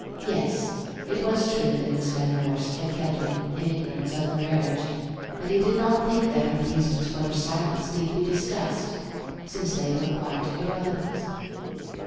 Yes, it was true that Miss Van Vorst had kept him in ignorance of her marriage; but he did not think that her reasons for her silence need be discussed, since they were quite irrelevant.